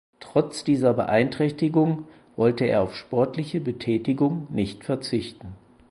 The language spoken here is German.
Trotz dieser Beeinträchtigung wollte er auf sportliche Betätigung nicht verzichten.